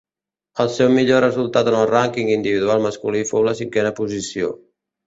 El seu millor resultat en el rànquing individual masculí fou la cinquena posició.